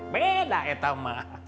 beda itu mah